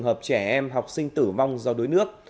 trường hợp trẻ em học sinh tử vong do đuối nước